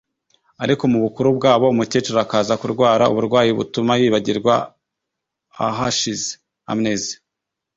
ariko mu bukuru bwabo umukecuru akaza kurwara uburwayi butuma yibagirwa ahashize (amnesie)